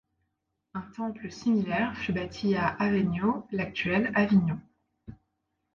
Un temple similaire fut bâti à Avenio, l'actuelle Avignon.